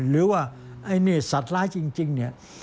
หรือว่าไอ้นี่สัตว์ร้ายจริงเนี่ย